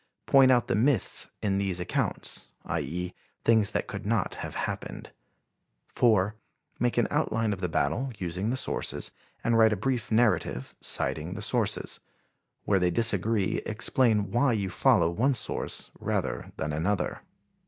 Point out the myths in these accounts, i. e., things that could not have happened. 4. Make an outline of the battle, using the sources, and write a brief narrative, citing the sources. Where they disagree, explain why you follow one source rather than another."